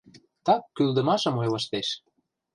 Так кӱлдымашым ойлыштеш.